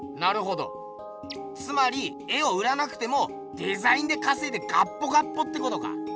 つまり絵を売らなくてもデザインでかせいでガッポガッポってことか。